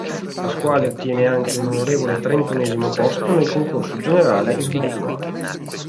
Pasquale ottiene anche un onorevole trentunesimo posto nel concorso generale individuale.